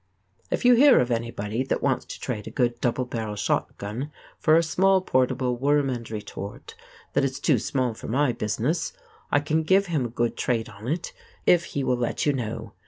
If you hear of anybody that wants to trade a good double barrel shotgun for a small portable worm and retort that is too small for my business, I can give him a good trade on it if he will let you know.